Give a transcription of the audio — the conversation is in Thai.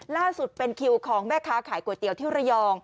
ล่าสุดเป็นคิวของแม่ค้าขายก๋วยเตี๋ยวที่ระยอง